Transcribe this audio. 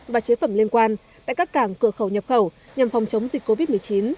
và chế phẩm liên quan tại các cảng cửa khẩu nhập khẩu nhằm phòng chống dịch covid một mươi chín